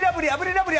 ラブリー